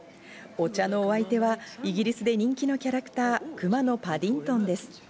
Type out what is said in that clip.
お茶のお相手はイギリスで人気のキャラクター、くまのパディントンです。